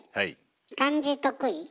漢字得意？